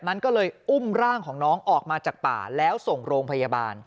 นั้นก็เลยอุ้มร่างของน้องออกมาจากป่าแล้วส่งโรงพยาบาล